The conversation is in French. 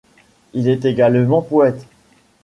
Il est également poète.